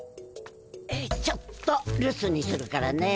ちょっと留守にするからね。